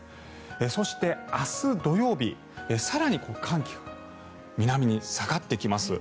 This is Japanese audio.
そして、明日土曜日更に寒気が南に下がってきます。